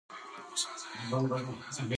طبیعي منظرې د زړه سکون بښي.